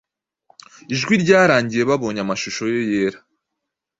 Ijwi ryarangiye, babonye amashusho ye yera